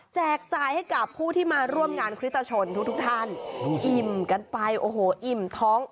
จ่ายให้กับผู้ที่มาร่วมงานคริสตชนทุกทุกท่านอิ่มกันไปโอ้โหอิ่มท้อง